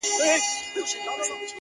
زموږ پر زخمونو یې همېش زهرپاشي کړې ده ـ